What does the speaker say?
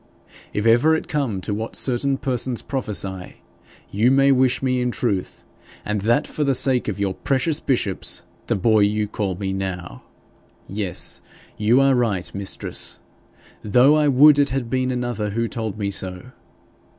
'If ever it come to what certain persons prophesy, you may wish me in truth, and that for the sake of your precious bishops, the boy you call me now. Yes, you are right, mistress, though I would it had been another who told me so!